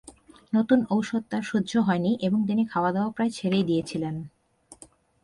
নতুন ওষুধ তাঁর সহ্য হয়নি এবং তিনি খাওয়াদাওয়া প্রায় ছেড়েই দিয়েছিলেন।